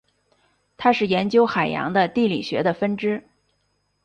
它是研究海洋的地理学的分支。